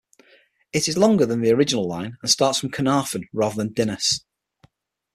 It is longer than the original line and starts from Caernarfon rather than Dinas.